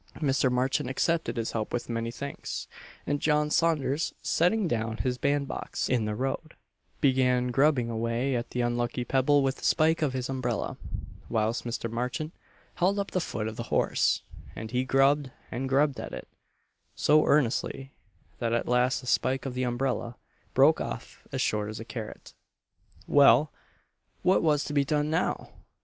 Mr. Marchant accepted his help with many thanks; and John Saunders, setting down his band box in the road, began grubbing away at the unlucky pebble with the spike of his umbrella, whilst Mr. Marchant held up the foot of the horse; and he grubbed and grubbed at it, so earnestly, that at last the spike of the umbrella "broke off as short as a carrot." Well, what was to be done now?